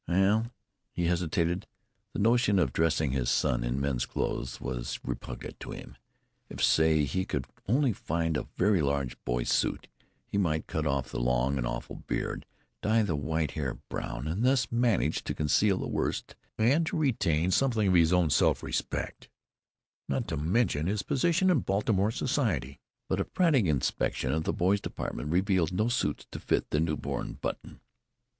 "Well " He hesitated. The notion of dressing his son in men's clothes was repugnant to him. If, say, he could only find a very large boy's suit, he might cut off that long and awful beard, dye the white hair brown, and thus manage to conceal the worst, and to retain something of his own self respect not to mention his position in Baltimore society. But a frantic inspection of the boys' department revealed no suits to fit the new born Button.